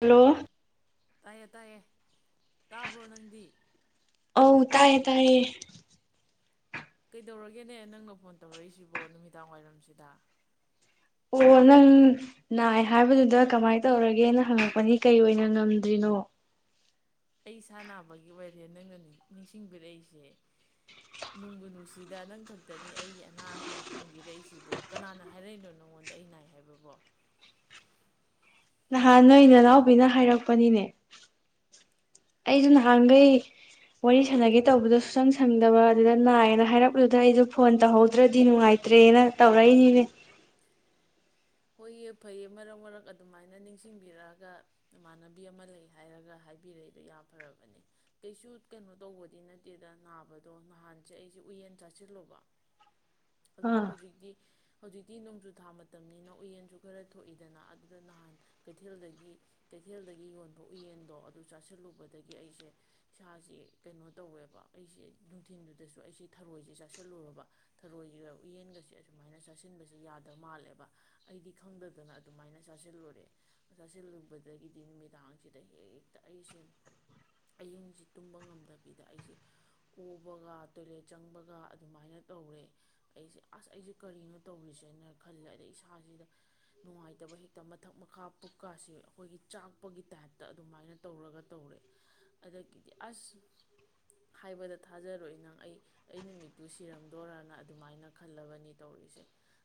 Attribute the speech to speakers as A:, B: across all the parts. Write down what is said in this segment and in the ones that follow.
A: hello
B: ꯇꯥꯏꯌꯦꯦ ꯇꯥꯏꯌꯦꯦ ꯇꯥꯕ꯭ꯔꯣ ꯅꯪꯗꯤ
A: ꯑꯧ ꯇꯥꯏꯌꯦ ꯇꯥꯏꯌꯦ
B: ꯀꯩꯗꯧꯔꯒꯦꯅꯦ ꯅꯪꯅ ꯐꯣꯟ ꯇꯧꯔꯛꯏꯁꯤꯕꯣ ꯅꯨꯃꯤꯗꯥꯡ ꯋꯥꯏꯔꯝꯁꯤꯗ
A: ꯑꯣ ꯅꯪ ꯅꯥꯏ ꯍꯥꯏꯕꯗꯨꯗ ꯀꯃꯥꯏꯅ ꯇꯧꯔꯒꯦꯅ ꯍꯪꯉꯛꯄꯅꯤ ꯀꯩ ꯑꯣꯏꯅ ꯉꯝꯗ꯭ꯔꯤꯅꯣ
B: ꯑꯩ ꯏꯁꯥ ꯅꯥꯕꯒꯤ ꯑꯣꯏꯔꯦ ꯅꯪꯅ ꯅꯤꯡꯁꯤꯡꯕꯤꯔꯛꯏꯁꯦ ꯅꯣꯡꯒꯨ ꯅꯨꯡꯁꯤꯗ ꯅꯪ ꯈꯛꯇꯅꯤ ꯑꯩꯒꯤ ꯑꯅꯥꯕ ꯍꯪꯕꯤꯔꯛꯏꯁꯤꯕꯣ ꯀꯅꯥꯅ ꯍꯥꯏꯔꯛꯏꯅꯣ ꯅꯪꯉꯣꯟꯗ ꯑꯩ ꯅꯥꯏ ꯍꯥꯏꯕꯕꯣ
A: ꯅꯍꯥꯟ ꯅꯣꯏ ꯅꯅꯥꯎꯕꯤꯅ ꯍꯥꯏꯔꯛꯄꯅꯤꯅꯦ ꯑꯩꯁꯨ ꯅꯍꯥꯟꯈꯩ ꯋꯥꯔꯤ ꯁꯥꯟꯅꯒꯦ ꯇꯧꯕꯗꯣ ꯁꯨꯁꯪ ꯁꯪꯗꯕ ꯑꯗꯨꯗ ꯅꯥꯏꯌꯦꯅ ꯍꯥꯏꯔꯛꯂꯨꯗ ꯑꯩꯁꯨ ꯐꯣꯟ ꯇꯧꯍꯧꯗ꯭ꯔꯗꯤ ꯅꯨꯡꯉꯥꯏꯇ꯭ꯔꯦꯅ ꯇꯧꯔꯛꯏꯅꯤꯅꯦ
B: ꯍꯣꯏꯌꯦ ꯐꯩꯌꯦ ꯃꯔꯛ ꯃꯔꯛ ꯑꯗꯨꯃꯥꯏꯅ ꯅꯤꯡꯁꯤꯡꯕꯤꯔꯛꯑꯒ ꯏꯃꯥꯟꯅꯕꯤ ꯑꯃ ꯂꯩ ꯍꯥꯏꯔꯒ ꯍꯥꯏꯕꯤꯔꯛꯏꯗꯣ ꯌꯥ ꯐꯔꯕꯅꯦ ꯀꯩꯁꯨ ꯀꯩꯅꯣ ꯇꯧꯕꯗꯤ ꯅꯠꯇꯦꯗ ꯅꯥꯕꯗꯣ ꯅꯍꯥꯟꯁꯦ ꯑꯩꯁꯦ ꯎꯌꯦꯟ ꯆꯥꯁꯤꯜꯂꯨꯕ ꯑꯗꯨꯗ
A: ꯑꯥ
B: ꯍꯧꯖꯤꯛꯇꯤ ꯍꯧꯖꯤꯛꯇꯤ ꯅꯣꯡꯖꯨꯊꯥ ꯃꯇꯝꯅꯤꯅ ꯎꯌꯦꯟꯁꯨ ꯈꯔ ꯊꯣꯛꯏꯗꯅ ꯑꯗꯨꯗ ꯅꯍꯥꯟ ꯀꯩꯊꯦꯜꯗꯒꯤ ꯀꯩꯊꯦꯜꯗꯒꯤ ꯌꯣꯟꯕ ꯎꯌꯦꯟꯗꯣ ꯑꯗꯨ ꯆꯥꯁꯤꯜꯂꯨꯕꯗꯒꯤ ꯑꯩꯁꯦ ꯏꯁꯥꯁꯦ ꯀꯩꯅꯣ ꯇꯧꯋꯦꯕ ꯑꯩꯁꯦ ꯅꯨꯡꯊꯤꯤꯟꯗꯨꯗꯁꯨ ꯑꯩꯁꯦ ꯊꯔꯣꯏꯁꯦ ꯆꯥꯁꯤꯜꯂꯨꯔꯕ ꯊꯔꯣꯏꯁꯤꯒ ꯎꯌꯦꯟꯒꯁꯦ ꯑꯁꯨꯃꯥꯏꯅ ꯆꯥꯁꯤꯟꯕꯁꯦ ꯌꯥꯗꯕ ꯃꯥꯜꯂꯦꯕ ꯑꯩꯗꯤ ꯈꯪꯗꯗꯅ ꯑꯗꯨꯃꯥꯏꯅ ꯆꯥꯁꯤꯜꯂꯨꯔꯦ ꯆꯥꯁꯤꯜꯂꯨꯕꯗꯒꯤꯗꯤ ꯅꯨꯃꯤꯗꯥꯡꯁꯤꯗ ꯍꯦꯛꯇ ꯑꯩꯁꯦ ꯑꯌꯤꯡꯁꯤ ꯇꯨꯝꯕ ꯉꯝꯗꯕꯤꯗ ꯑꯩꯁꯦ ꯑꯣꯕꯒ ꯇꯣꯏꯂꯦꯠ ꯆꯪꯕꯒ ꯑꯗꯨꯃꯥꯏꯅ ꯇꯧꯔꯦ ꯑꯩꯁꯦ ꯑꯁ ꯑꯩꯁꯦ ꯀꯔꯤꯅꯣ ꯇꯧꯔꯤꯁꯦꯅ ꯈꯜꯂꯦ ꯑꯗꯩ ꯏꯁ ꯏꯁꯥꯁꯤꯗ ꯅꯨꯡꯉꯥꯏꯇꯕ ꯍꯦꯛꯇ ꯃꯊꯛ ꯃꯈꯥ ꯄꯨꯛꯀꯥꯁꯤ ꯑꯩꯈꯣꯏꯒꯤ ꯆꯥꯛꯄꯒꯤ ꯇꯥꯏꯞꯇ ꯑꯗꯨꯃꯥꯏꯅ ꯇꯧꯔꯒ ꯇꯧꯔꯦ ꯑꯗꯒꯤꯗꯤ ꯑꯁ ꯍꯥꯏꯕꯗ ꯊꯥꯖꯔꯣꯏ ꯅꯪ ꯑꯩ ꯑꯩ ꯅꯨꯃꯤꯠꯇꯨ ꯁꯤꯔꯝꯗꯣꯔꯅ ꯑꯗꯨꯃꯥꯏꯅ ꯈꯜꯂꯕꯅꯤ ꯇꯧꯔꯤꯁꯦ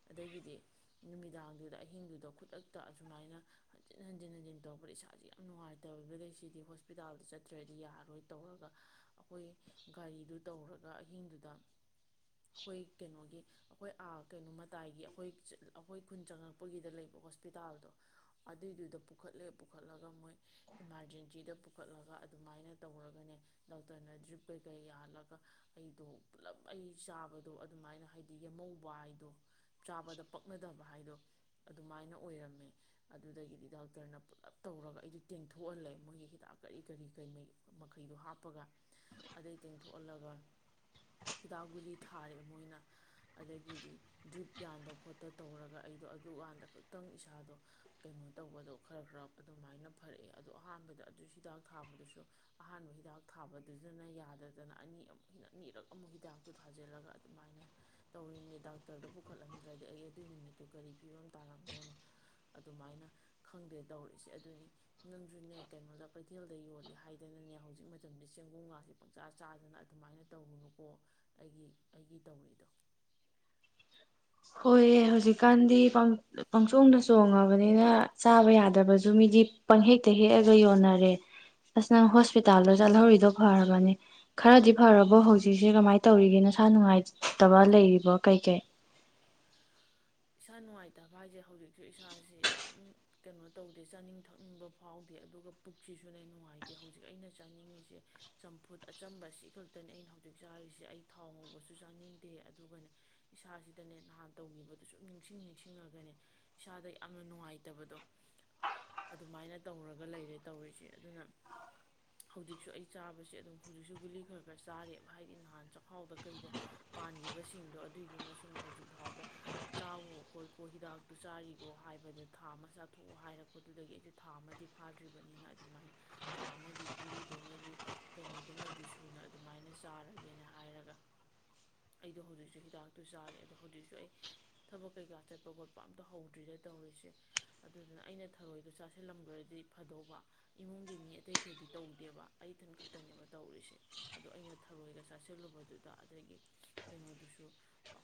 B: ꯑꯗꯒꯤꯗꯤ ꯅꯨꯃꯤꯗꯥꯡꯗꯨꯗ ꯑꯍꯤꯡꯗꯨꯗ ꯈꯨꯗꯛꯇ ꯑꯁꯨꯃꯥꯏꯅ ꯍꯟꯖꯤꯟ ꯍꯟꯖꯤꯟ ꯍꯟꯖꯤꯟ ꯇꯧꯔꯧꯕꯗ ꯏꯁꯥꯥꯁꯦ ꯌꯥꯝ ꯅꯨꯡꯉꯥꯏꯇꯕꯗꯒꯤ ꯁꯤꯗꯤ ꯍꯣꯁꯄꯤꯇꯥꯜꯗ ꯆꯠꯇ꯭ꯔꯗꯤ ꯌꯥꯔꯔꯣꯏ ꯇꯧꯔꯒ ꯑꯩꯈꯣꯏ ꯒꯥꯔꯤꯗꯨ ꯇꯧꯔꯒ ꯑꯍꯤꯡꯗꯨꯗ ꯑꯩꯈꯣꯏ ꯀꯩꯅꯣꯒꯤ ꯑꯩꯈꯣꯏ ꯀꯩꯅꯣ ꯃꯇꯥꯏꯒꯤ ꯑꯩꯈꯣꯏ ꯑꯩꯈꯣꯏ ꯈꯨꯟ ꯆꯪꯉꯛꯄꯒꯤꯗ ꯂꯩꯕ ꯍꯣꯁꯄꯤꯇꯥꯜꯗꯣ ꯑꯗꯨꯏꯗꯨꯗ ꯄꯨꯈꯠꯂꯦ ꯄꯨꯈꯠꯂꯒ ꯃꯣꯏ ꯏꯃꯥꯔꯖꯦꯟꯁꯤꯗ ꯄꯨꯈꯠꯂꯒ ꯑꯗꯨꯃꯥꯏꯅ ꯇꯧꯔꯒꯅꯦ ꯗꯥꯛꯇꯔꯅ ꯗ꯭ꯔꯤꯞ ꯀꯩꯀꯩ ꯌꯥꯜꯂꯒ ꯑꯩꯗꯣ ꯄꯨꯂꯞ ꯑꯩ ꯆꯥꯕꯗꯣ ꯑꯗꯨꯃꯥꯏꯅ ꯍꯥꯏꯗꯤ ꯌꯦꯍꯧꯕ ꯍꯥꯏꯗꯣ ꯆꯥꯕꯗ ꯍꯥꯏꯗꯣ ꯑꯗꯨꯃꯥꯏꯅ ꯑꯣꯏꯔꯝꯃꯦ ꯑꯗꯨꯗꯒꯤꯗꯤ ꯗꯥꯛꯇꯔꯅ ꯄꯨꯂꯞ ꯇꯧꯔꯒ ꯑꯩꯗꯣ ꯇꯦꯡꯊꯣꯛꯍꯜꯂꯦ ꯃꯣꯏꯒꯤ ꯍꯤꯗꯥꯛ ꯀꯔꯤ ꯀꯔꯤ ꯀꯩ ꯃꯈꯩꯗꯣ ꯍꯥꯞꯄꯒ ꯑꯗꯩ ꯇꯦꯡꯊꯣꯛꯍꯜꯂꯒ ꯍꯤꯗꯥꯛ ꯒꯨꯂꯤ ꯊꯥꯔꯦ ꯃꯣꯏꯅ ꯑꯗꯒꯤꯗꯤ ꯗ꯭ꯔꯤꯞ ꯌꯥꯟꯗꯕ ꯈꯣꯠ ꯇ ꯇꯧꯔꯒ ꯑꯩꯗꯣ ꯑꯗꯨꯀꯥꯟꯗ ꯈꯛꯇꯪ ꯏꯁꯥꯗꯣ ꯀꯩꯅꯣ ꯇꯧꯕꯗꯣ ꯈꯔ ꯈꯔ ꯑꯗꯨꯃꯥꯏꯅ ꯐꯔꯛꯑꯦ ꯑꯗꯣ ꯑꯍꯥꯟꯕꯗ ꯑꯗꯨ ꯍꯤꯗꯥꯛ ꯊꯥꯕꯗꯨꯁꯨ ꯑꯍꯥꯟꯕ ꯍꯤꯗꯥꯛ ꯊꯥꯕꯗꯨꯗꯅ ꯌꯥꯗꯗꯅ ꯑꯅꯤ ꯑꯃꯨꯛ ꯍ ꯑꯅꯤꯔꯛ ꯑꯃꯨꯛ ꯍꯤꯗꯥꯛꯇꯨ ꯊꯥꯖꯤꯜꯂꯒ ꯑꯗꯨꯃꯥꯏꯅ ꯇꯧꯔꯤꯅꯦ ꯗꯥꯛꯇꯔꯗ ꯄꯨꯈꯠꯂꯝꯗ꯭ꯔꯗꯤ ꯑꯩ ꯑꯗꯨꯏ ꯅꯨꯃꯤꯠꯇꯨ ꯀꯔꯤ ꯐꯤꯕꯝ ꯇꯥꯔꯝꯗꯣꯅꯣ ꯑꯗꯨꯃꯥꯏꯅ ꯈꯪꯗꯦ ꯇꯧꯔꯤꯁꯦ ꯑꯗꯨꯅꯤ ꯅꯪꯁꯨꯅꯦ ꯀꯩꯅꯣꯗ ꯀꯩꯊꯦꯜꯗ ꯌꯣꯜꯂꯤ ꯍꯥꯏꯗꯅꯅꯦ ꯍꯧꯖꯤꯛ ꯃꯇꯝꯗ ꯆꯦꯡꯒꯨꯝꯒꯥꯁꯦ ꯄꯪꯆꯥ ꯆꯥꯗꯅ ꯑꯗꯨꯃꯥꯏꯅ ꯇꯧꯔꯨꯅꯨꯀꯣ ꯑꯩꯒꯤ ꯑꯩꯒꯤ ꯇꯧꯔꯤꯗꯣ
A: ꯍꯣꯏꯑ ꯍꯧꯖꯤꯛꯀꯥꯟꯗꯤ ꯄꯪꯆꯣꯡꯗ ꯆꯣꯡꯉꯕꯅꯤꯅ ꯆꯥꯕ ꯌꯥꯗꯕꯁꯨ ꯃꯤꯗꯤ ꯄꯪꯍꯦꯛꯇ ꯍꯦꯛꯑꯒ ꯌꯣꯟꯅꯔꯦ ꯑꯁ ꯅꯪ ꯍꯣꯁꯄꯤꯇꯥꯜꯗ ꯆꯠꯍꯧꯔꯤꯗꯣ ꯐꯔꯕꯅꯤ ꯈꯔꯗꯤ ꯐꯔꯕꯣ ꯍꯧꯖꯤꯛꯁꯦ ꯀꯃꯥꯏꯅ ꯇꯧꯔꯤꯒꯦ ꯅꯁꯥ ꯅꯨꯡꯉꯥꯏꯇꯕ ꯂꯩꯔꯤꯕꯣ ꯀꯩ ꯀꯩ
B: ꯏꯁ ꯁꯅꯨꯡꯋꯥꯥꯏ ꯚꯖ ꯍꯧꯖꯤꯛꯁꯨ ꯏꯁꯥꯁꯤ ꯑꯗꯨꯝ ꯀꯩꯅꯣ ꯇꯧꯗꯦ ꯆꯥꯅꯤꯡ ꯊꯛꯅꯤꯡꯕ ꯐꯥꯎꯗꯦ ꯑꯗꯨꯒ ꯄꯨꯛꯁꯤꯁꯨꯅꯦ ꯅꯨꯡꯉꯥꯏꯇꯦ ꯍꯧꯖꯤꯛ ꯑꯩꯅ ꯆꯥꯅꯤꯡꯉꯤꯁꯦ ꯆꯝꯐꯨꯠ ꯑꯆꯝꯕ ꯁꯤ ꯈꯛꯇꯅꯦ ꯑꯩꯅ ꯍꯧꯖꯤꯛ ꯆꯥꯔꯤꯁꯦ ꯑꯩ ꯊꯥꯎ ꯉꯧꯕꯁꯨ ꯆꯥꯅꯤꯡꯗꯦ ꯑꯗꯨꯒꯅꯦ ꯏꯁꯥꯁꯤꯗꯅꯦ ꯅꯍꯥꯟ ꯇꯧꯕ ꯑꯗꯨ ꯁꯨꯝ ꯅꯤꯡꯁꯤꯡ ꯅꯤꯡꯁꯤꯡꯉꯒꯅꯦ ꯏꯁꯥꯗ ꯌꯥꯝꯅ ꯅꯨꯡꯉꯥꯏꯇꯕꯗꯣ ꯑꯗꯨꯃꯥꯏꯅ ꯇꯧꯔꯒ ꯂꯩꯔꯦ ꯇꯧꯔꯤꯁꯦ ꯑꯗꯨꯅ ꯍꯧꯖꯤꯛꯁꯨ ꯑꯩ ꯆꯥꯕꯁꯦ ꯑꯗꯨꯝ ꯍꯧꯖꯤꯛꯁꯨ ꯒꯨꯂꯤ ꯈꯔ ꯈꯔ ꯆꯥꯔꯦꯕ ꯍꯥꯏꯗꯤ ꯅꯍꯥꯟ ꯆꯥꯛꯈꯥꯎꯗ ꯀꯩꯗ ꯄꯥꯟꯈꯤꯕꯁꯤꯡꯗꯣ ꯑꯗꯨꯏꯗꯨꯅ ꯁꯨꯝ ꯍꯧꯖꯤꯛ ꯐꯥꯎꯕ ꯆꯥꯋꯣ ꯈꯣꯠꯀꯣ ꯍꯤꯗꯥꯛꯇꯨ ꯆꯥꯔꯤꯈꯣ ꯍꯥꯏꯕꯗ ꯊꯥ ꯑꯃ ꯆꯥꯊꯣꯛꯑꯣ ꯍꯥꯏꯔꯛꯄꯗꯨꯗꯒꯤ ꯑꯩꯁꯦ ꯊꯥ ꯑꯃꯗꯤ ꯐꯥꯗ꯭ꯔꯤꯕꯅꯤꯅ ꯑꯗꯨꯃꯥꯏꯅ ꯊꯥ ꯑꯃꯗꯤ ꯒꯨꯂꯤꯗꯣ ꯃꯣꯏꯒꯤ ꯀꯩꯅꯣꯗꯨꯃꯗꯤ ꯁꯨꯅ ꯑꯗꯨꯃꯥꯏꯅ ꯆꯥꯔꯒꯦꯅ ꯍꯥꯏꯔꯒ ꯑꯩꯗꯣ ꯍꯧꯖꯤꯛꯁꯨ ꯍꯤꯗꯥꯛꯇꯨ ꯆꯥꯔꯤ ꯑꯗꯣ ꯍꯧꯖꯤꯛꯁꯨ ꯑꯩ ꯊꯕꯛ ꯀꯩꯀꯥ ꯆꯠꯄ ꯈꯣꯠꯄ ꯑꯝꯇ ꯍꯧꯗ꯭ꯔꯤꯗꯦ ꯇꯧꯔꯤꯁꯦ ꯑꯗꯨꯗꯨꯅ ꯑꯩꯅ ꯊꯔꯣꯏꯗꯣ ꯆꯥꯁꯤꯜꯂꯝꯈ꯭ꯔꯗꯤ ꯐꯗꯧꯕ ꯏꯃꯨꯡꯒꯤ ꯃꯤ ꯑꯇꯩꯈꯩꯗꯤ ꯇꯧꯗꯦꯕ ꯑꯩ ꯏꯊꯟ ꯈꯛꯇꯅꯦꯕ ꯇꯧꯔꯤꯁꯦ ꯑꯗꯣ ꯑꯩꯅ ꯊꯔꯣꯏꯒ ꯆꯥꯁꯤꯜꯂꯨꯕꯗꯨꯗ ꯑꯗꯒꯤ ꯀꯩꯅꯣꯗꯨꯁꯨ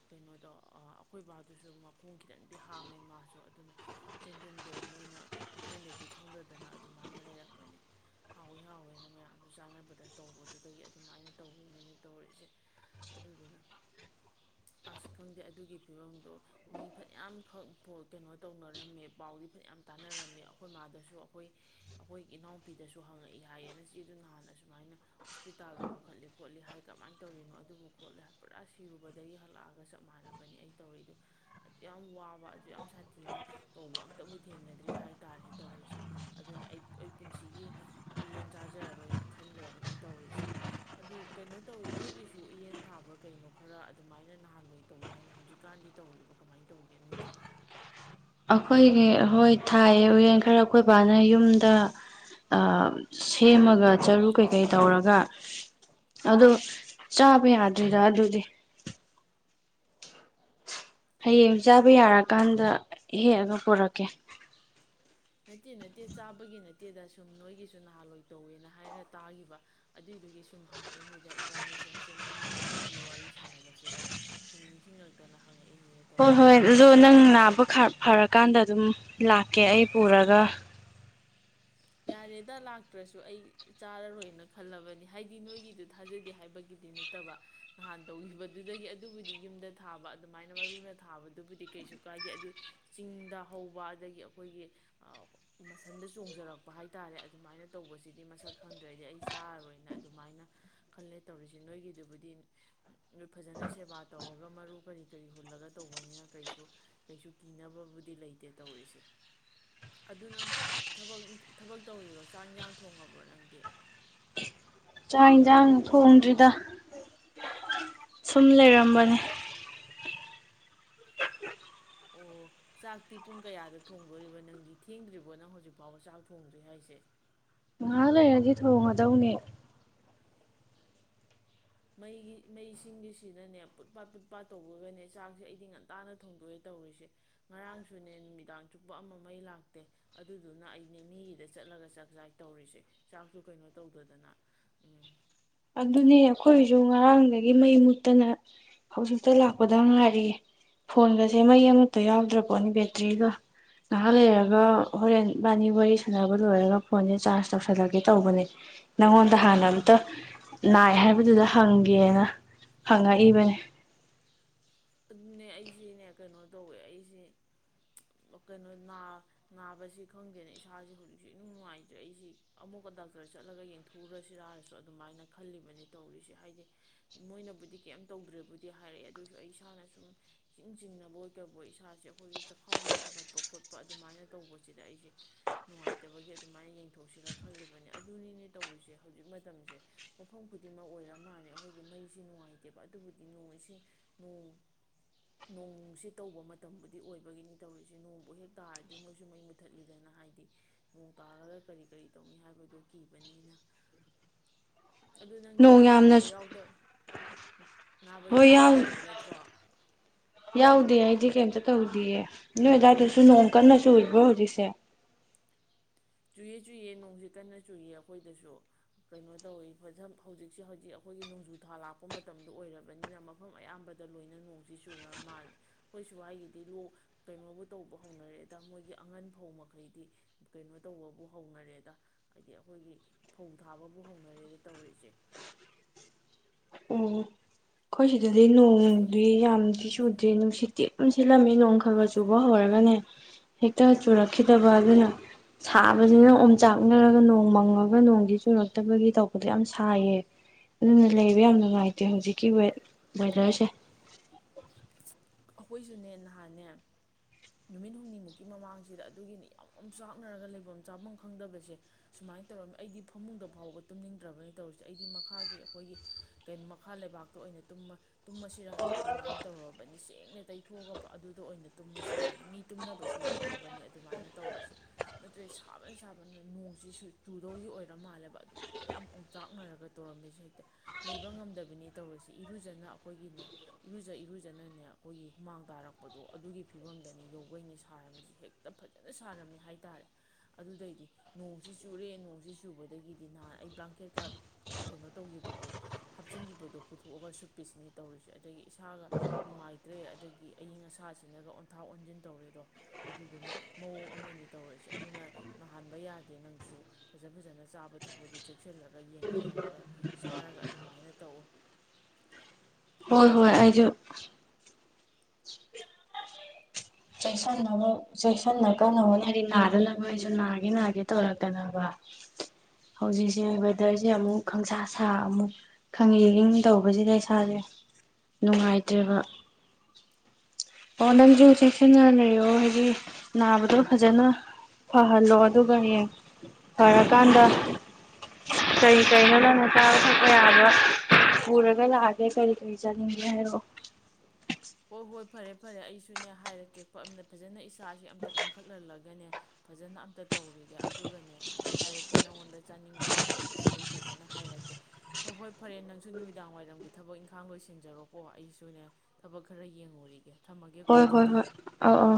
B: ꯀꯩꯅꯣꯗꯣ ꯑꯩꯈꯣꯏꯕꯕꯥ ꯑꯗꯨꯁꯨ ꯃꯈꯣꯡ ꯈꯤꯇꯪꯗꯤ ꯍꯥꯝꯃꯦ ꯃꯥꯁꯨ ꯑꯗꯨꯅ ꯆꯦꯟꯒꯨꯝꯗꯣ ꯃꯣꯏꯅ ꯀꯩꯊꯦꯜꯗꯒꯤ ꯈꯪꯗꯗꯅ ꯑꯗꯨꯃꯥꯏꯅ ꯂꯩꯔꯛꯄꯅꯦ ꯍꯥꯎꯋꯤ ꯍꯥꯎꯋꯦꯅ ꯃꯌꯥꯝꯁꯨ ꯆꯥꯟꯅꯕꯗ ꯇꯧꯕꯗꯨꯗꯒꯤ ꯑꯗꯨꯃꯥꯏꯅ ꯇꯧꯔꯤꯅꯦꯅ ꯇꯧꯔꯤꯛꯁꯦ ꯑꯗꯨꯗꯨꯅ ꯑꯁ ꯈꯪꯗꯦ ꯑꯗꯨꯒꯤ ꯐꯤꯕꯝꯗꯣ ꯃꯤ ꯐꯅꯌꯥꯝ ꯈꯛ ꯀꯩꯅꯣ ꯇꯧꯅꯔꯝꯃꯦ ꯄꯥꯎꯗꯤ ꯐꯅꯌꯥꯝ ꯇꯥꯟꯅꯔꯝꯃꯦ ꯑꯩꯈꯣꯏ ꯃꯥꯗꯁꯨ ꯑꯩꯈꯣꯏ ꯑꯩꯈꯣꯏ ꯏꯅꯥꯎꯄꯤꯗꯁꯨ ꯍꯪꯉꯛꯏ ꯍꯥꯏꯌꯦꯅ ꯁꯤ ꯑꯗꯨ ꯅ ꯍꯥꯟꯅ ꯁꯨꯃꯥꯏꯅ ꯍꯣꯁꯄꯤꯇꯥꯜꯗ ꯄꯨꯈꯠꯂꯤ ꯈꯣꯠꯂꯤ ꯍꯥꯏ ꯀꯃꯥꯏꯅ ꯇꯧꯔꯤꯅꯣ ꯑꯗꯨꯕꯨ ꯈꯣꯠꯂꯤ ꯍꯥꯏ ꯄꯨꯔꯥ ꯁꯤꯔꯨꯕꯗꯒꯤ ꯍꯜꯂꯛꯑꯒ ꯆꯞ ꯃꯥꯟꯅꯕꯅꯦꯅꯤ ꯑꯩ ꯇꯧꯔꯤꯛꯏꯗ ꯌꯥꯝ ꯋꯥꯕ ꯑꯗꯨ ꯌꯥꯝ ꯁꯥꯊꯤꯅ ꯇꯧꯕ ꯑꯝꯇꯕꯨ ꯊꯦꯡꯅꯗ꯭ꯔꯤ ꯍꯥꯏꯇꯥꯥꯔꯦ ꯇꯧꯔꯤꯁꯦ ꯑꯗꯨꯅ ꯑꯩ ꯑꯩ ꯄꯨꯟꯁꯤꯒꯤ ꯎꯌꯦꯟ ꯆꯥꯖꯔꯔꯣꯏꯅ ꯈꯟꯈ꯭ꯔꯕꯅꯤ ꯇꯧꯔꯤꯁꯦ ꯑꯗꯨ ꯀꯩꯅꯣ ꯇꯧꯋꯤ ꯅꯣꯏꯒꯤꯁꯨ ꯎꯌꯦꯟ ꯊꯥꯕ꯭ꯔꯥ ꯀꯩꯅꯣ ꯈꯔ ꯑꯗꯨꯃꯥꯏꯅ ꯅꯍꯥꯟꯋꯥꯏ ꯇꯧꯗ ꯍꯥꯏꯅꯦ ꯍꯧꯖꯤꯛꯀꯥꯟꯗꯤ ꯇꯧꯔꯤꯕ ꯀꯃꯥꯏꯅ ꯇꯧꯒꯦ ꯅꯣꯏꯗꯤ
A: ꯑꯩꯈꯣꯏꯒꯤ ꯍꯣꯏ ꯊꯥꯏ ꯎꯌꯦꯟ ꯈꯔ ꯑꯩꯈꯣꯏ ꯕꯥꯅ ꯌꯨꯝꯗ ꯁꯦꯝꯃꯒ ꯆꯔꯨ ꯀꯩꯀꯩ ꯇꯧꯔꯒ ꯑ ꯆꯥꯕ ꯌꯥꯗ꯭ꯔꯤꯗ ꯑꯗꯨꯗꯤ ꯍꯌꯦꯡ ꯆꯥꯕ ꯌꯥꯔꯀꯥꯟꯗ ꯍꯦꯛꯑꯒ ꯄꯨꯔꯛꯀꯦ
B: ꯅꯠꯇꯦ ꯅꯠꯇꯦ ꯆꯥꯕꯒꯤ ꯅꯠꯇꯦꯗ ꯁꯨꯝ ꯅꯣꯏꯒꯤꯁꯨ ꯅꯍꯥꯟꯋꯥꯏ ꯇꯧꯋꯦꯅ ꯍꯥꯏꯔ ꯇꯥꯈꯤꯕ ꯑꯗꯨꯏꯗꯨꯒꯤ ꯁꯨꯝ ꯍꯪꯉꯛꯏꯅꯤꯗ ꯏꯕꯥꯅꯤ ꯁꯨꯝ ꯆꯦꯡꯒꯨꯝꯒꯤ ꯎꯌꯦꯟꯒꯤ ꯋꯥꯔꯤ ꯁꯥꯟꯅꯕꯁꯤꯗ ꯁꯨꯝ ꯅꯤꯡꯁꯤꯡꯉꯛꯇꯅ ꯍꯪꯉꯛꯏꯅꯤꯗ
A: ꯍꯣꯏ
B: ꯇꯧꯔꯤꯁꯦ
A: ꯍꯣꯏ
B: ꯑꯩꯗꯤ
A: ꯑꯗꯣ ꯅꯪ ꯅꯥꯕ ꯐꯔꯀꯥꯟꯗ ꯑꯗꯨꯝ ꯂꯥꯛꯀꯦ ꯑꯩ ꯄꯨꯔꯒ
B: ꯌꯥꯔꯦꯗ ꯂꯥꯛꯇ꯭ꯔꯁꯨ ꯑꯩ ꯆꯥꯔꯔꯣꯏꯅ ꯈꯜꯂꯕꯅꯤ ꯍꯥꯏꯗꯤ ꯅꯣꯏꯒꯤꯗꯨ ꯊꯥꯖꯗꯦ ꯍꯥꯏꯕꯒꯤꯗꯤ ꯅꯠꯇꯕ ꯅꯍꯥꯟ ꯇꯧꯈꯤꯕꯗꯨꯗꯒꯤ ꯑꯗꯨꯕꯨꯗꯤ ꯌꯨꯝꯗ ꯊꯥꯕ ꯑꯗꯨꯃꯥꯏꯅ ꯃꯔꯨꯅ ꯊꯥꯕꯗꯨꯕꯨꯗꯤ ꯀꯩꯁꯨ ꯀꯥꯏꯗꯦ ꯑꯗꯨ ꯆꯤꯡꯗ ꯍꯧꯕ ꯑꯗꯒꯤ ꯑꯩꯈꯣꯏꯒꯤ ꯃꯁꯟꯗ ꯆꯣꯡꯖꯔꯛꯄ ꯄ ꯍꯥꯏꯇꯥꯔꯦ ꯑꯗꯨꯃꯥꯏꯅ ꯇꯧꯕꯁꯤꯗꯤ ꯃꯁꯛ ꯈꯪꯗ꯭ꯔꯦꯗꯤ ꯑꯩ ꯆꯥꯔꯔꯣꯏꯅ ꯑꯗꯨꯃꯥꯏꯅ ꯈꯜꯂꯦ ꯇꯧꯔꯤꯁꯦ ꯅꯣꯏꯒꯤꯗꯨꯕꯨꯗꯤ ꯅꯣꯏ ꯐꯖꯅ ꯁꯦꯕꯥ ꯇꯧꯔꯒ ꯃꯔꯨ ꯀꯔꯤ ꯀꯔꯤ ꯍꯨꯜꯂꯒ ꯇꯧꯕꯅꯤꯅ ꯀꯩꯁꯨ ꯀꯩꯁꯨ ꯀꯤꯅꯕꯕꯨꯗꯤ ꯂꯩꯇꯦ ꯇꯧꯔꯤꯁꯦ ꯑꯗꯨ ꯅꯪ ꯊꯕꯛ ꯏ ꯊꯕꯛ ꯇꯧꯔꯤꯔꯣ ꯆꯥꯛ ꯏꯟꯁꯥꯡ ꯊꯣꯡꯉꯕ꯭ꯔꯣ ꯅꯪꯗꯤ
A: ꯆꯥꯛ ꯏꯖꯥꯟ ꯊꯣꯡꯗ꯭ꯔꯤꯗ ꯁꯨꯝ ꯂꯩꯔꯝꯕꯅꯦ
B: ꯑꯣ ꯆꯥꯛꯇꯤ ꯄꯨꯡ ꯀꯌꯥꯗ ꯊꯣꯡꯗꯣꯔꯤꯕ ꯅꯪꯗꯤ ꯊꯦꯡꯗ꯭ꯔꯤꯕꯣ ꯅꯪ ꯍꯧꯖꯤꯛ ꯐꯥꯎꯕ ꯆꯥꯛ ꯊꯣꯡꯗ꯭ꯔꯤ ꯍꯥꯏꯁꯦ
A: ꯍꯥꯏꯔꯗꯤ ꯊꯣꯡꯒꯗꯧꯅꯦ
B: ꯃꯩꯒꯤ ꯃꯩꯁꯤꯡꯒꯤꯁꯤꯅꯅꯦ ꯄꯨꯠ ꯄꯥꯠ ꯄꯨꯨꯠ ꯄꯥꯠ ꯇꯧꯕꯒꯅꯦ ꯆꯥꯛꯁꯦ ꯑꯩꯗꯤ ꯉꯟꯇꯥꯅ ꯊꯣꯡꯗꯣꯛꯑꯦ ꯇꯧꯔꯤꯁꯦ ꯉꯔꯥꯡꯁꯨꯅꯦ ꯅꯨꯃꯤꯗꯥꯡ ꯆꯨꯞꯄ ꯑꯃ ꯃꯩ ꯂꯥꯛꯇꯦ ꯑꯗꯨꯗꯨꯅ ꯑꯩꯅꯦ ꯃꯤꯒꯤꯗ ꯆꯠꯂꯒ ꯆꯥꯛ ꯆꯥꯛ ꯇꯧꯔꯤꯁꯦ ꯆꯥꯛꯇ ꯀꯩꯅꯣ ꯇꯧꯗꯗꯅ ꯎꯝ
A: ꯑꯗꯨꯅꯦ ꯑꯩꯈꯣꯏꯁꯨ ꯉꯔꯥꯡꯗꯒꯤ ꯃꯩ ꯃꯨꯠꯇꯅ ꯍꯧꯖꯤꯛꯇ ꯂꯥꯛꯄꯗ ꯉꯥꯏꯔꯤꯌꯦ ꯐꯣꯟꯒꯁꯦ ꯃꯩ ꯑꯃꯠꯇ ꯌꯥꯎꯗ꯭ꯔ ꯄꯣꯠꯅꯤ ꯕꯦꯇ꯭ꯔꯤꯒ ꯉꯥꯏꯍꯥꯛ ꯂꯩꯔꯒ ꯍꯣꯔꯦꯟꯕꯥꯅꯤ ꯋꯥꯔꯤ ꯁꯥꯟꯅꯕ ꯂꯣꯏꯔꯒ ꯐꯣꯟꯁꯦ ꯆꯥꯔꯖ ꯇꯧꯁꯜꯂꯒꯦ ꯇꯧꯕꯅꯦ ꯅꯪꯉꯣꯟꯗ ꯍꯥꯟꯅ ꯑꯃꯝꯇ ꯅꯥꯏ ꯍꯥꯏꯕꯗꯨꯗ ꯍꯪꯒꯦꯅ ꯍꯪꯉꯛꯏꯕꯅꯦ
B: ꯑꯗꯨꯅꯦ ꯑꯩꯁꯤꯅꯦ ꯀꯩꯅꯣ ꯇꯧꯋꯦ ꯑꯩꯁꯤ ꯀꯩꯅꯣ ꯅꯥꯕꯁꯤ ꯈꯪꯗꯦꯅ ꯏꯁꯥꯁꯦ ꯍꯧꯖꯤꯛꯁꯨ ꯅꯨꯡ ꯅꯨꯡꯉꯥꯏꯇ꯭ꯔꯦ ꯑꯩꯁꯤ ꯑꯃꯨꯛꯀ ꯗꯥꯛꯇꯔ ꯆꯠꯂꯒ ꯌꯦꯡꯊꯣꯛꯎꯁꯤꯔꯁꯨ ꯑꯗꯨꯃꯥꯏꯅ ꯈꯜꯂꯤꯕꯅꯦ ꯇꯧꯔꯤꯁꯦ ꯍꯥꯏꯗꯤ ꯃꯣꯏꯅꯕꯨꯗꯤ ꯀꯩꯝ ꯇꯧꯗ꯭ꯔꯦꯕꯨꯗꯤ ꯍꯥꯏꯔꯛꯑꯦ ꯑꯗꯨꯑꯣꯏꯁꯨ ꯑꯩ ꯏꯁꯥꯅ ꯁꯨꯝ ꯏꯤꯡ ꯆꯤꯡꯅꯕ ꯑꯣꯏ ꯀꯧꯕ ꯏꯁꯥꯁꯦ ꯑꯩꯈꯣꯏꯒꯤ ꯆꯥꯛꯈꯥꯎꯁꯦ ꯁꯥꯒꯠꯄ ꯈꯣꯠꯄ ꯑꯗꯨꯃꯥꯏꯅ ꯇꯧꯕꯁꯤꯗ ꯑꯩꯁꯦ ꯅꯨꯡꯉꯥꯏꯇꯕꯒꯤ ꯑꯗꯨꯃꯥꯏꯅ ꯌꯦꯡꯊꯣꯛꯁꯤꯔꯥ ꯈꯜꯂꯤꯕꯅꯦ ꯑꯗꯨꯅꯤꯅꯦ ꯇꯧꯔꯤꯁꯦ ꯍꯧꯖꯤꯛ ꯃꯇꯝꯁꯦ ꯃꯐꯝ ꯈꯨꯗꯤꯡꯃꯛ ꯑꯣꯏꯔ ꯃꯥꯜꯂꯦ ꯑꯩꯈꯣꯏꯒꯤ ꯃꯩꯁꯦ ꯅꯨꯡꯉꯥꯏꯇꯦꯕ ꯑꯗꯨꯕꯨꯗꯤ ꯅꯣꯡ ꯏꯁꯤꯡ ꯅꯣꯡ ꯅꯣꯡꯁꯤ ꯇꯧꯕ ꯃꯇꯝꯕꯨꯗꯤ ꯑꯣꯏꯕꯒꯤꯅꯤ ꯇꯧꯔꯤꯁꯦ ꯅꯣꯡꯕꯨ ꯍꯦꯛ ꯇꯥꯔꯗꯤ ꯃꯣꯏꯁꯨ ꯃꯩ ꯃꯨꯊꯠꯂꯤꯗꯅ ꯍꯥꯏꯗꯤ ꯅꯣꯡ ꯇꯥꯔꯒ ꯀꯔꯤ ꯀꯔꯤ ꯇꯧꯅꯤ ꯍꯥꯏꯕꯗꯣ ꯀꯤꯕꯅꯤꯅ ꯑꯗꯨ ꯅꯪꯗꯤ
A: ꯅꯣꯡ
B: ꯅꯥꯕ
A: ꯌꯥꯝꯅ
B: ꯌꯦꯛꯄ ꯌꯥꯎꯗꯕ ꯅꯥꯕ
A: ꯍꯣꯏ
B: ꯌꯦꯛꯄ
A: ꯌꯥꯎ
B: ꯌꯥꯎꯗꯕ ꯅꯠꯇ꯭ꯔꯣ
A: ꯌꯥꯎꯗꯦ ꯍꯥꯏ ꯑꯩ ꯀꯩꯑꯃꯇ ꯇꯧꯗꯌꯦ ꯅꯣꯏ ꯑꯗꯨꯗꯥꯏꯗꯁꯨ ꯅꯣꯡ ꯀꯟꯅꯁꯨꯨꯔꯤꯕ꯭ꯔꯣ ꯍꯧꯖꯤꯛꯁꯦ
B: ꯆꯨꯏꯌꯦ ꯆꯨꯏꯌꯦ ꯅꯣꯡꯁꯤ ꯀꯟꯅ ꯆꯨꯏꯌꯦ ꯑꯩꯈꯣꯏꯗꯁꯨ ꯀꯩꯅꯣ ꯇꯧꯋꯤ ꯐ ꯍꯧꯖꯤꯛꯁꯦ ꯍꯧꯖꯤꯛ ꯑꯩꯈꯣꯏꯒꯤ ꯅꯣꯡꯖꯨꯊꯥ ꯂꯥꯛꯄ ꯃꯇꯝꯗ ꯑꯣꯏꯔꯕꯅꯤꯅ ꯃꯐꯝ ꯑꯌꯥꯝꯕꯗ ꯂꯣꯏꯅ ꯅꯣꯡꯁꯤ ꯆꯨꯅꯔ ꯃꯥꯜꯂꯦ ꯑꯩꯈꯣꯏ ꯁ꯭ꯋꯥꯏꯒꯤꯗꯤ ꯂꯣꯛ ꯀꯩꯅꯣꯕꯨ ꯇꯧꯕ ꯍꯧꯅꯔꯦꯗ ꯃꯣꯏꯒꯤ ꯑꯉꯟ ꯐꯧ ꯃꯈꯩꯗꯤ ꯀꯩꯅꯣ ꯇꯧꯕꯕꯨ ꯍꯧꯅꯔꯦꯗ ꯍꯥꯏꯗꯤ ꯑꯩꯈꯣꯏꯒꯤ ꯐꯧ ꯊꯥꯕꯕꯨ ꯍꯧꯅꯔꯦꯗ ꯇꯧꯔꯤꯛꯏꯁꯦ
A: ꯎꯝ ꯑꯩꯈꯣꯏ ꯁꯤꯗꯗꯤ ꯅꯣꯡꯗꯤ ꯌꯥꯝꯗꯤ ꯆꯨꯗ꯭ꯔꯦ ꯅꯨꯡꯁꯤꯠꯇꯤ ꯑꯗꯨꯝ ꯁꯤꯠꯂꯝꯃꯦ ꯅꯣꯡ ꯈ ꯈꯔ ꯆꯨꯕ ꯍꯧꯔꯒꯅꯦ ꯍꯦꯛꯇ ꯆꯨꯔꯛꯈꯤꯗꯕ ꯑꯗꯨꯅ ꯁꯥꯕꯁꯤꯅ ꯑꯣꯝꯆꯥꯛꯅꯔꯒ ꯅꯣꯡ ꯃꯪꯉꯒ ꯅꯣꯡꯗꯤ ꯆꯨꯔꯛꯇꯕꯒꯤ ꯇꯧꯕꯗꯣ ꯌꯥꯝ ꯁꯥꯏꯌꯦ ꯑꯗꯨꯅ ꯂꯩꯕ ꯌꯥꯝ ꯅꯨꯡꯉꯥꯏꯇꯦ ꯍꯧꯖꯤꯛ ꯀꯤꯋꯦꯠ ꯋꯦꯗꯔꯁꯦ
B: ꯑꯩꯈꯣꯏꯁꯨꯅꯦ ꯅꯍꯥꯟꯅꯦ ꯅꯨꯃꯤꯠ ꯍꯨꯝꯅꯤꯃꯨꯛꯀꯤ ꯃꯃꯥꯡꯁꯤꯗ ꯑꯗꯨꯒꯤꯅꯤ ꯌꯥꯝꯝ ꯆꯥꯛꯅꯔꯒ ꯂꯩꯐꯝ ꯆꯥꯐꯝ ꯈꯪꯗꯕꯁꯦ ꯁꯨꯃꯥꯏꯅ ꯇꯧꯔꯝꯃꯤ ꯑꯩꯗꯤ ꯐꯃꯨꯡꯗ ꯐꯥꯎꯕ ꯇꯨꯝꯅꯤꯡꯗ꯭ꯔꯕꯅꯤ ꯇꯧꯔꯤꯁꯦ ꯑꯩꯗꯤ ꯃꯈꯥꯒꯤ ꯑꯩꯈꯣꯏꯒꯤ ꯀ ꯃꯈꯥ ꯂꯩꯕꯥꯛꯇ ꯑꯣꯏꯅ ꯇꯨꯝꯃꯁꯤꯔꯥꯟꯅ ꯑꯗꯨꯃꯥꯏꯅ ꯇꯧꯔꯔꯕꯅꯤ ꯁꯦꯡ ꯇꯛꯅ ꯇꯩꯊꯣꯛꯑꯒꯕ ꯑꯗꯨꯗ ꯑꯣꯏꯅ ꯇꯨꯝꯃꯁꯤꯔꯅ ꯃꯤ ꯇꯨꯝꯅꯕꯁꯨ ꯌꯥꯎꯔꯕꯅꯤ ꯑꯗꯨꯃꯥꯏꯅ ꯇꯧꯔꯤꯁꯦ ꯅꯠꯇ꯭ꯔꯦ ꯁꯥꯕꯅ ꯁꯥꯕꯅ ꯅꯣꯡꯁꯤꯁꯨ ꯆꯨꯗꯧꯒꯤ ꯑꯣꯏꯔ ꯃꯥꯜꯂꯦꯕ ꯑꯗꯨꯃꯥꯏꯅ ꯌꯥꯝ ꯑꯣꯡꯆꯥꯛꯅꯔꯒ ꯇꯧꯔꯝꯃꯤꯁꯦ ꯍꯦꯛꯇ ꯂꯩꯕ ꯉꯝꯗꯕꯅꯤ ꯇꯧꯔꯤꯁꯦ ꯏꯔꯨꯖꯅ ꯑꯩꯈꯣꯏꯒꯤꯅꯦ ꯏꯔꯨꯖ ꯏꯔꯨꯖꯅꯅꯦ ꯑꯩꯈꯣꯏꯒꯤ ꯍꯨꯃꯥꯡ ꯇꯥꯔꯛꯄꯗꯣ ꯑꯗꯨꯒꯤ ꯐꯤꯕꯝꯗꯅꯤ ꯌꯧꯕꯩꯅꯤ ꯁꯥꯔꯝꯃꯤꯁꯤ ꯍꯦꯛꯇ ꯐꯖꯅ ꯁꯥꯔꯝꯃꯤ ꯍꯥꯏꯇꯥꯔꯦ ꯑꯗꯨꯗꯩꯗꯤ ꯅꯣꯡꯁꯤ ꯆꯨꯔꯦ ꯅꯣꯡꯁꯤ ꯆꯨꯕꯗꯒꯤꯗꯤ ꯅꯍꯥꯟ ꯑꯩ ꯕ꯭ꯂꯥꯡꯀꯦꯠꯀ ꯀꯩꯅꯣ ꯇꯧꯈꯤꯕꯗꯣ ꯍꯥꯞꯆꯤꯟꯈꯤꯕꯗꯣ ꯄꯨꯊꯣꯛꯑꯒ ꯁꯨꯞꯄꯤꯁꯤꯅꯤ ꯇꯧꯔꯤꯁꯦ ꯑꯗꯒꯤ ꯏꯁꯥꯒ ꯅꯨꯡꯉꯥꯏ ꯇ꯭ꯔꯦ ꯑꯗꯒꯤ ꯑꯏꯤꯡ ꯑꯁꯥꯁꯤꯡꯅꯒ ꯑꯣꯟꯊꯥ ꯑꯣꯟꯁꯤꯟ ꯇꯧꯔꯦꯗꯣ ꯑꯗꯨꯗꯨꯅ ꯃꯑꯣꯡ ꯑꯃꯅꯤ ꯇꯧꯔꯛꯏꯁꯦ ꯑꯗꯨꯅ ꯅꯥꯍꯟꯕ ꯌꯥꯗꯦ ꯅꯪꯁꯨ ꯐꯖ ꯐꯖꯅ ꯆꯥꯕ ꯊꯛꯄꯗꯨ ꯆꯦꯛꯁꯤꯜꯂꯒ ꯌꯦꯡꯉ ꯌꯦꯡꯉꯒ ꯆꯥꯔꯒ ꯑꯗꯨꯃꯥꯏꯅ ꯇꯧꯎ
A: ꯍꯣꯏ ꯍꯣꯏ ꯑꯩꯁꯨ ꯆꯦꯛꯁꯟꯅꯕ ꯆꯦꯛꯁꯟꯅ ꯀꯟꯅ ꯍꯣꯠꯅꯔꯤ ꯅꯥꯗꯅꯕ ꯑꯩꯁꯨ ꯅꯥꯒꯦ ꯅꯥꯒꯦ ꯇꯧꯔꯛꯇꯅꯕ ꯍꯧꯖꯤꯛꯁꯦ ꯋꯦꯗꯔꯁꯦ ꯑꯃꯨꯛ ꯈꯪꯁꯥ ꯁꯥ ꯑꯃꯨꯛ ꯈꯪꯉꯤ ꯏ ꯇꯧꯕꯁꯤꯗ ꯏꯁꯥꯁꯦ ꯅꯨꯡꯉꯥꯏꯇ꯭ꯔꯦꯕ ꯑꯣ ꯅꯪꯁꯨ ꯆꯦꯛꯁꯤꯟꯅ ꯂꯩꯑꯣ ꯍꯥꯏꯗꯤ ꯅꯥꯕꯗꯣ ꯐꯖꯅ ꯐꯍꯜꯂꯣ ꯑꯗꯨꯒ ꯍꯌꯦꯡ ꯐꯔꯀꯥꯟꯗ ꯀꯔꯤ ꯀꯔꯤꯅꯣꯗꯅ ꯆꯥꯕ ꯊꯛꯄ ꯌꯥꯕ ꯄꯨꯔꯒ ꯂꯥꯛꯑꯒꯦ ꯀꯔꯤ ꯀꯔꯤ ꯆꯥꯅꯤꯡꯒꯦ ꯍꯥꯏꯔꯛꯑꯣ
B: ꯍꯣꯏ ꯍꯣꯏ ꯐꯔꯦ ꯐꯔꯦ ꯑꯩꯁꯨꯅꯦ ꯍꯥꯏꯔ ꯀꯦꯛꯄ ꯑꯝꯗ ꯐꯖꯅ ꯏꯁ ꯏꯁꯥꯖꯦ ꯑꯃꯝꯇ ꯀꯟꯈꯠꯍꯜꯂꯒꯅꯦ ꯐꯖꯅ ꯑꯝꯇ ꯇꯧꯔꯤꯒꯦ ꯑꯗꯨꯒꯅꯦ ꯍꯥꯏꯔꯛꯀꯦ ꯅꯪꯉꯣꯟꯗ ꯆꯥꯅꯤꯡꯕ ꯃꯈꯩꯗꯁꯨ ꯑꯩ ꯐꯖꯅ ꯍꯥꯏꯔꯛꯀꯦ ꯍꯣꯏ ꯍꯣꯏ ꯐꯔꯦ ꯅꯪꯁꯨ ꯅꯨꯃꯤꯗꯥꯡ ꯋꯥꯏꯔꯝꯒꯤ ꯊꯕꯛ ꯏꯪꯈꯥꯡ ꯂꯣꯏꯁꯤꯟꯖꯔꯣꯀꯣ ꯑꯩꯁꯨ ꯑꯣꯏꯅ ꯊꯕꯛ ꯈꯔ ꯌꯦꯡꯉꯨꯔꯤꯒꯦ
A: ꯍꯣꯏ ꯍꯣꯏ
B: ꯑꯗꯨꯗꯤ
A: ꯍꯣꯏ ꯑꯥꯎ ꯑꯥꯎ